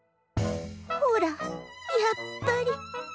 ほらやっぱり。